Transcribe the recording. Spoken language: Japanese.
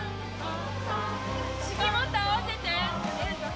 指揮をもっと合わせて。